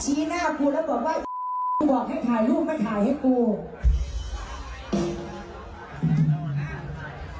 ชี้หน้ากูแล้วบอกว่ากูบอกให้ถ่ายรูปมาถ่ายให้กู